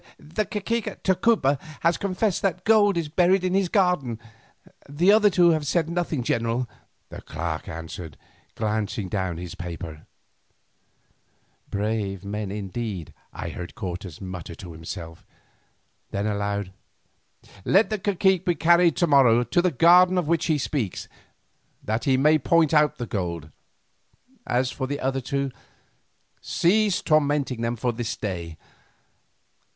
"The cacique of Tacuba has confessed that gold is buried in his garden, the other two have said nothing, general," the clerk answered, glancing down his paper. "Brave men, indeed!" I heard Cortes mutter to himself; then said aloud, "Let the cacique be carried to morrow to the garden of which he speaks, that he may point out the gold. As for the other two, cease tormenting them for this day.